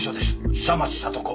久松聡子。